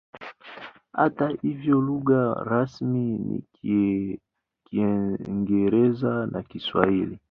Hata hivyo lugha rasmi ni Kiingereza na Kiswahili.